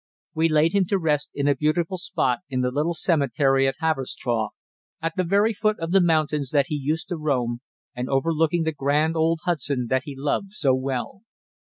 We laid him to rest in a beautiful spot in the little cemetery at Haverstraw, at the very foot of the mountains that he used to roam, and overlooking the grand old Hudson that he loved so well.